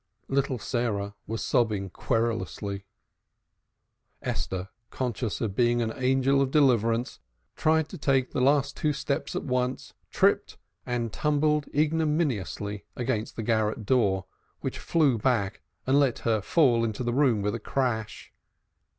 Little Sarah was sobbing querulously. Esther, conscious of being an angel of deliverance, tried to take the last two steps at once, tripped and tumbled ignominiously against the garret door, which flew back and let her fall into the room with a crash.